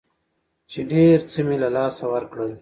چې ډېر څه مې له لاسه ورکړل.